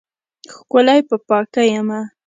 ښکلی په پاکۍ یمه